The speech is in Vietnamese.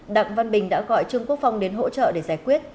đặng văn bình đã gọi trương quốc phong đến hỗ trợ để giải quyết